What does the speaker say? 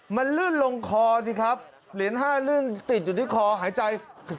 มันลื่นลงคอสิครับเหรียญ๕ลื่นติดอยู่ที่คอหายใจ